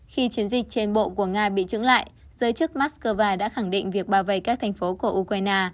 khi chiến dịch trên bộ của nga bị trứng lại giới chức moscow đã khẳng định việc bao vây các thành phố của ukraine